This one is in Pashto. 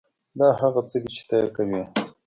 دا هغه څه دي چې ته یې کوې